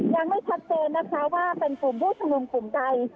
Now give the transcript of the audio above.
ยังไม่ชัดเจนนะคะว่าเป็นกลุ่มผู้ชุมนุมกลุ่มใด